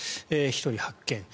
１人発見。